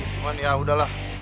cuman ya udahlah